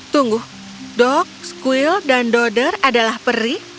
tunggu dog squill dan dodder adalah perih